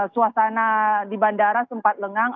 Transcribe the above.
suasana di bandara sempat lengang